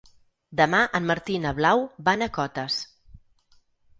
Demà en Martí i na Blau van a Cotes.